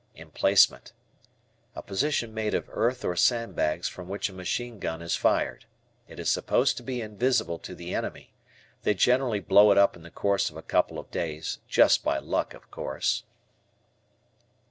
Emplacement. A position made of earth or sandbags from which a machine gun is fired. It is supposed to be invisible to the enemy. They generally blow it up in the course of a couple of days, just by luck, of course.